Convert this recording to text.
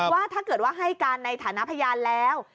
ว่าถ้าเกิดว่าให้การในฐานะพยานแล้ว